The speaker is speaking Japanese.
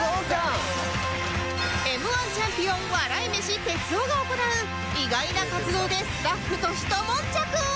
Ｍ−１ チャンピオン笑い飯哲夫が行う意外な活動でスタッフと一悶着！？